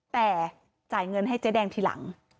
แต่จ่ายเงินให้เจ๊แดงทีหลัง